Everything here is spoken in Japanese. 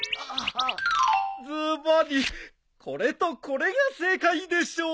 ズバリこれとこれが正解でしょう。